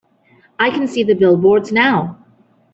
I can see the billboards now.